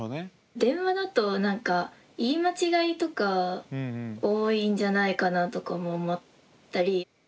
電話だとなんか言い間違いとか多いんじゃないかなとかも思ったり。